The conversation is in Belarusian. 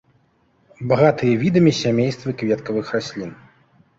Багатыя відамі сямействы кветкавых раслін.